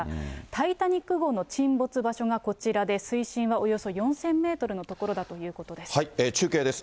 タイタニック号の沈没場所がこちらで水深はおよそ４０００メート中継です。